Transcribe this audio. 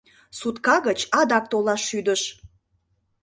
Сутка гыч адак толаш шӱдыш.